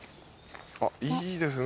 あっいいです。